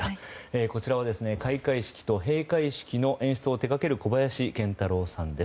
こちらは開会式と閉会式の演出を手掛ける小林賢太郎さんです。